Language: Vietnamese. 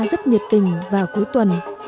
rất nhiệt tình vào cuối tuần